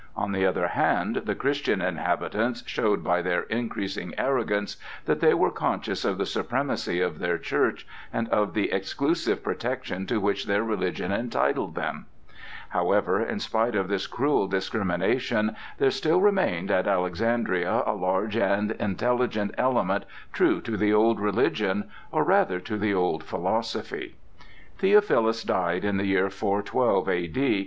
On the other hand, the Christian inhabitants showed by their increasing arrogance that they were conscious of the supremacy of their church and of the exclusive protection to which their religion entitled them. However, in spite of this cruel discrimination there still remained at Alexandria a large and intelligent element true to the old religion, or rather to the old philosophy. Theophilus died in the year 412 A.D.